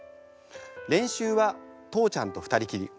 練習は父ちゃんと２人きり。